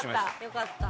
よかった。